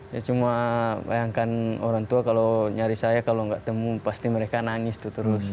ya cuma bayangkan orang tua kalau nyari saya kalau nggak temu pasti mereka nangis tuh terus